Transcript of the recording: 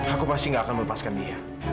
aku pasti gak akan melepaskan dia